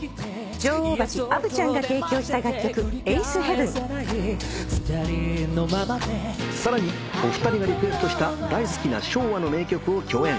女王蜂アヴちゃんが提供した楽曲『８ｔｈＨＥＡＶＥＮ』さらにお二人がリクエストした大好きな昭和の名曲を共演。